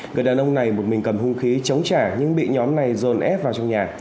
người đàn ông này một mình cầm hung khí chống trả nhưng bị nhóm này dồn ép vào trong nhà